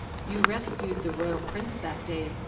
"You rescued the Royal Prince that day.